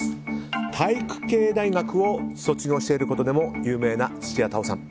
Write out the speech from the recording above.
体育系大学を卒業していることでも有名な土屋太鳳さん。